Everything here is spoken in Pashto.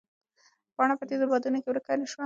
پاڼه په تېزو بادونو کې ورکه نه شوه.